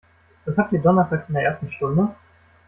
Was habt ihr donnerstags in der ersten Stunde?